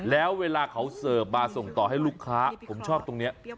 แล้วเวลาเขาเสิร์ฟมาส่งต่อให้ลูกค้าผมชอบตรงนี้